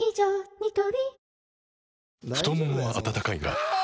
ニトリ太ももは温かいがあ！